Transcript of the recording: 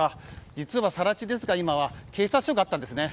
実は、更地ですが警察署があったんですね。